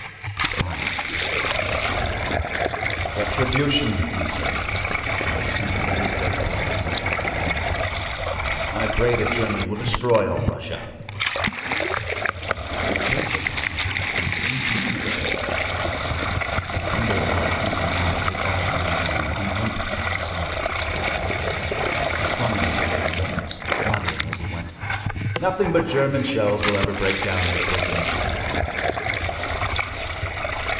A smile twisted his mouth. 'Retribution!' he said; and there was something very dreadful in his uplifted hand. 'I pray that Germany will destroy all Russia.' We turned upon him in indignation. Under our accusing eyes his arm came down and hung limp by his side. He swung on his heel and left us, muttering as he went, 'Nothing but German shells will ever break down her prisons.'